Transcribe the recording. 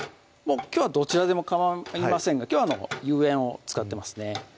きょうはどちらでもかまいませんがきょうは有塩を使ってますね